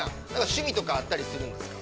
趣味とかあったりするんですか。